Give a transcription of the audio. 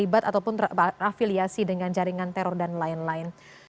jalan proklamasi jakarta pusat